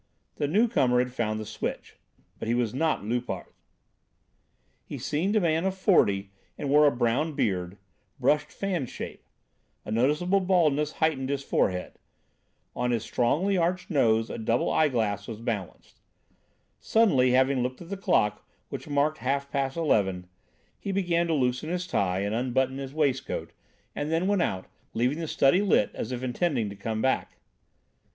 The new comer had found the switch. But he was not Loupart. He seemed a man of forty and wore a brown beard, brushed fan shape; a noticeable baldness heightened his forehead. On his strongly arched nose a double eye glass was balanced. Suddenly, having looked at the clock which marked half past eleven, he began to loosen his tie and unbutton his waistcoat and then went out, leaving the study lit as if intending to come back.